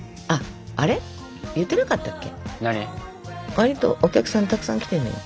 割とお客さんたくさん来てるのよ。